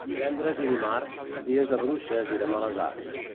Divendres i dimarts, dies de bruixes i de males arts.